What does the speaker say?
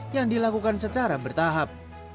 yang dilakukan secara bertahap